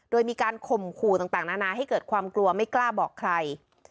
โดยมีการข่มขู่ต่างนานาให้เกิดความกลัวไม่กล้าบอกใคร